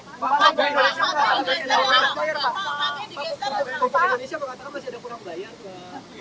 pak warga indonesia mengatakan masih ada kurang bayar nggak